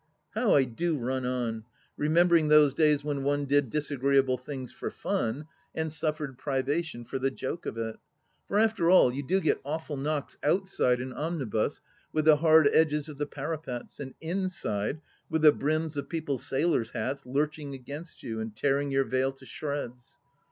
How I do run on, remembering those days when one did disagreeable things /or /wn and suffered privation for the joke of it ! For after all, you do get awful knocks outside an omnibus with the hard edges of the parapets, and inside with the bruns of people's saUor hats lurching against you and tearing your veil to shreds.